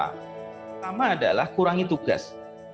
pertama adalah kurangi tugas